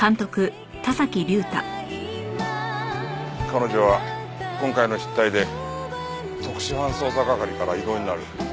彼女は今回の失態で特殊犯捜査係から異動になる。